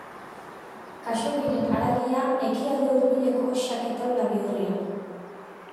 Khaxoggiren haragia Ekialde Hurbileko xake taula bihurrian.